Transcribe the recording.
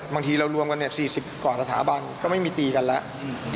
บางทีเรารวมกัน๔๐กว่าสถาบันก็ไม่มีตีกันแล้ว